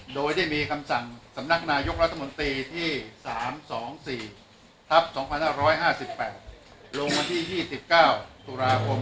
โดยได้มีคำสั่งสำนักนายกรัฐมนตรีที่๓๒๔ทัพ๒๕๕๘ลงวันที่๒๙ตุลาคม